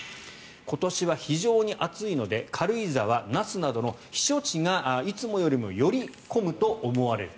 今年は非常に暑いので軽井沢、那須などの避暑地がいつもよりもより混むと思われる。